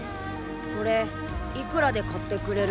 これいくらで買ってくれる？